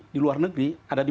di luar negeri ada di